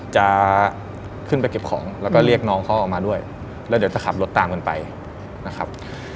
จะขึ้นไปเก็บของแล้วก็เรียกน้องเขาออกมาด้วยแล้วเดี๋ยวจะขับรถตามกันไปนะครับ